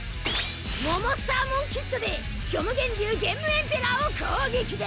モモスターモンキッドで虚∞龍ゲンムエンペラーを攻撃だ！